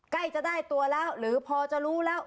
ใกล้จะได้ตัวแล้วหรือพอจะรู้แล้ว